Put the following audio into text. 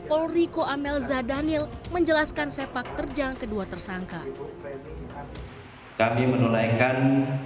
polriko amelza daniel menjelaskan sepak terjang kedua tersangka kami menulaikan